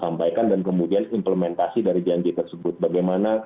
menurut saya tidak relevan